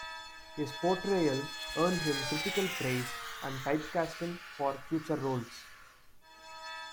His portrayal earned him critical praise and typecast him for future roles.